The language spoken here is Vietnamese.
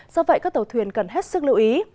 do vậy các tàu thuyền cần hết sức lưu ý